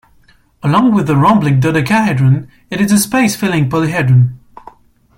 Along with the rhombic dodecahedron, it is a space-filling polyhedron.